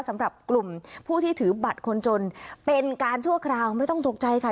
สำหรับกลุ่มผู้ที่ถือบัตรคนจนเป็นการชั่วคราวไม่ต้องตกใจค่ะ